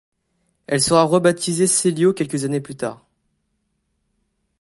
Elle sera rebaptisée celio quelques années plus tard.